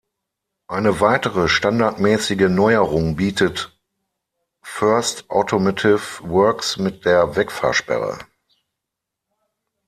Eine weitere standardmäßige Neuerung bietet First Automotive Works mit der Wegfahrsperre.